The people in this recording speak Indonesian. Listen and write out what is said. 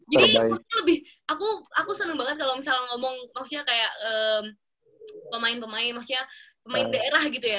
jadi aku seneng banget kalau misal ngomong maksudnya kayak pemain pemain maksudnya pemain daerah gitu ya